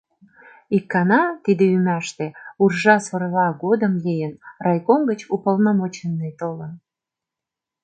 Икана — тиде ӱмаште, уржа-сорла годым лийын — райком гыч уполномоченный толын.